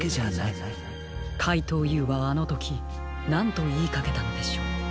こころのこえかいとうＵはあのときなんといいかけたのでしょう。